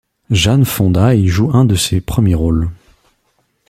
Jane Fonda y joue un de ses premiers rôles.